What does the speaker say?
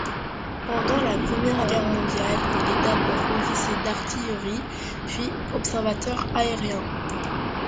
Pendant la Première Guerre mondiale, il est d’abord officier d’artillerie, puis observateur aérien.